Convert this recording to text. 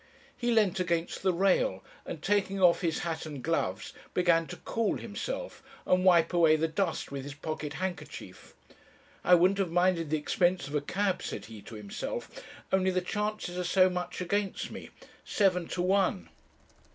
He leant against the rail, and, taking off his hat and gloves, began to cool himself, and wipe away the dust with his pocket handkerchief. 'I wouldn't have minded the expense of a cab,' said he to himself, 'only the chances are so much against me: seven to one!'